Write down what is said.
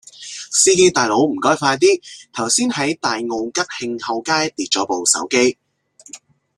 司機大佬唔該快啲，頭先喺大澳吉慶後街跌左部手機